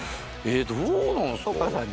どうなんすか？